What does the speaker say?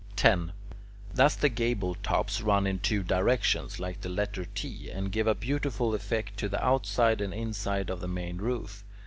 10. Thus the gable tops run in two directions, like the letter T, and give a beautiful effect to the outside and inside of the main roof.